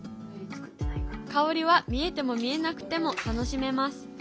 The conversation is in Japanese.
香りは見えても見えなくても楽しめます。